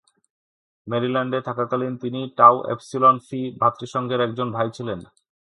মেরিল্যান্ডে থাকাকালীন তিনি tau epsilon ফি ভ্রাতৃসংঘের একজন ভাই ছিলেন।